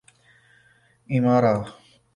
ایمارا